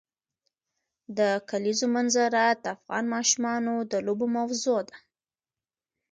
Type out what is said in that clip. د کلیزو منظره د افغان ماشومانو د لوبو موضوع ده.